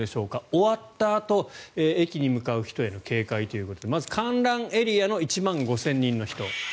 終わったあと、駅に向かう人への警戒ということでまず観覧エリアの１万５０００人の人。